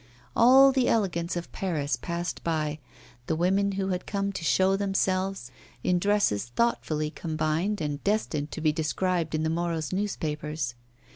All the elegance of Paris passed by, the women who had come to show themselves, in dresses thoughtfully combined and destined to be described in the morrow's newspapers.